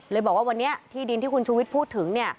บอกว่าวันนี้ที่ดินที่คุณชูวิทย์พูดถึง